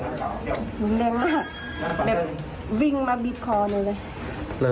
เหมือนแบบวิ่งมาบีบคอเลย